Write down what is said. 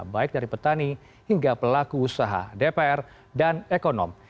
baik dari petani hingga pelaku usaha dpr dan ekonom